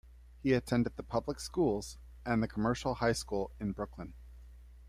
He attended the public schools and the Commercial High School in Brooklyn.